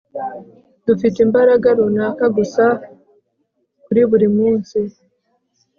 dufite imbaraga runaka gusa kuri buri munsi